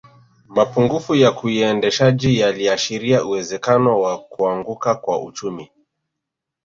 Mapungufu ya kiuendeshaji yaliashiria uwezekano wa kuanguka kwa uchumi